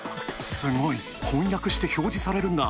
すごい！翻訳して表示されるんだ。